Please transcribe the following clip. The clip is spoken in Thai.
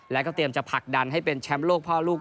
แล้วก็เตรียมจะผลักดันให้เป็นแชมป์โลกพ่อลูก